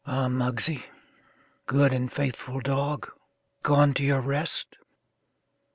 Ah, Muggsie, good and faithful dog, Gone to your rest!